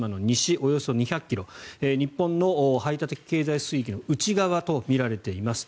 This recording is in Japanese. およそ２００ｋｍ日本の排他的経済水域の内側とみられています。